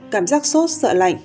cảm giác sốt sợ lạnh